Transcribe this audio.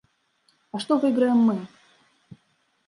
А што выйграем мы?